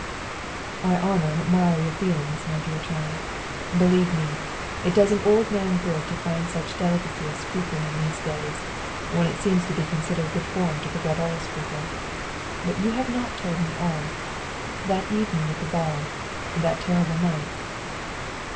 " I honor and admire your feelings, my dear child. Be lieve me, it does an old man good to find such delicacy of scruple in these days, when it seems to be considered good form to forget all scruple. But you have not told me all. That evening at the ball, that terrible night?